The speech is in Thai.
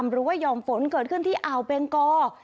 หรือว่าห่อมฝนเกิดขึ้นที่อ่าวเบงกอ